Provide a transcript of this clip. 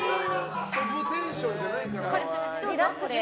遊ぶテンションじゃないのかな。